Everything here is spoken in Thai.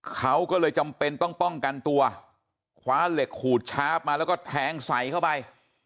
เขาก็เลยจำเป็นต้องป้องกันตัวคว้าเหล็กขูดชาร์ฟมาแล้วก็แทงใส่เข้าไป